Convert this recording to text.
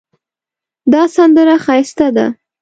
دا سندره ښایسته ده